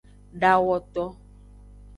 Dawoto.